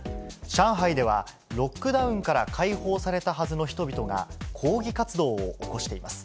上海では、ロックダウンから解放されたはずの人々が、抗議活動を起こしています。